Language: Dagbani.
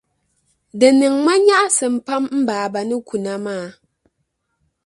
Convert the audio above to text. Di niŋ ma nyaɣisim pam n m-baba ni kuna maa.